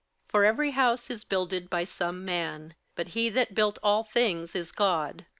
58:003:004 For every house is builded by some man; but he that built all things is God.